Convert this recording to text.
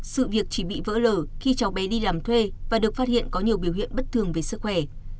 sự việc chỉ bị vỡ lở khi cháu bé đi làm thuê và được phát hiện có nhiều biểu hiện bất thường về sức khỏe